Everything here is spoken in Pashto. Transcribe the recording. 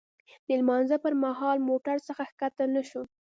د لمانځه پر مهال موټر څخه ښکته نه شوو.